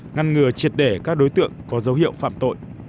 ngăn ngừa triệt để các đối tượng có dấu hiệu phạm tội